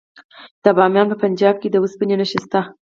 د بامیان په پنجاب کې د وسپنې نښې شته.